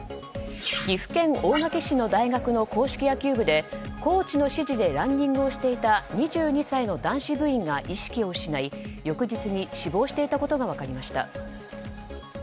岐阜県の大学の硬式野球部でコーチの指示でランニングをしていた２２歳の男子部員が意識を失い、翌日に死亡していたことが分かりました。